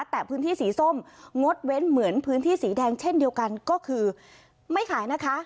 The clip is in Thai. แต่พื้นที่สีส้มงดเว้นเหมือนพื้นที่สีแดงเช่นเดียวกันก็คือไม่ขายนะคะ